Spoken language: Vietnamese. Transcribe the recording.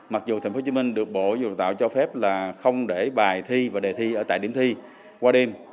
mặc dù thành phố hồ chí minh được bộ dự tạo cho phép là không để bài thi và đề thi ở tại điểm thi qua đêm